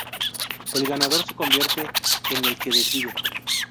El ganador se convierte en "El que decide".